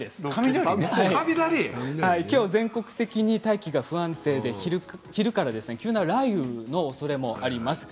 きょうは大気が不安定で昼から雷雨のおそれもあります。